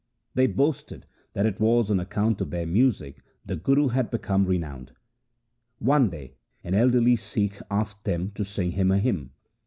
They boasted that it was on account of their music the Guru had become re nowned. One day an elderly Sikh asked them to sing him a hymn.